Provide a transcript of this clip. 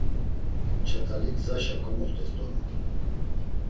Ç̌at̆ali gzaşa komoxt̆es donu.